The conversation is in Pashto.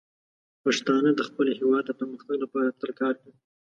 پښتانه د خپل هیواد د پرمختګ لپاره تل کار کوي.